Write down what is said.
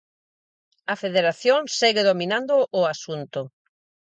A Federación segue dominando o asunto.